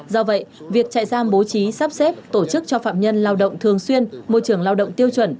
do vậy việc chạy giam bố trí sắp xếp tổ chức cho phạm nhân lao động thường xuyên môi trường lao động tiêu chuẩn